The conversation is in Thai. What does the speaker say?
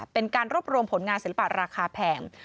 เป็นการรวบรวมผลงานศิลปะราคาแพง